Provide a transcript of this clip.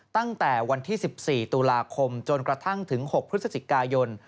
ตั้งแต่วันที่๑๔ตุลาคมจนกระทั่งถึง๖พฤศจิกายน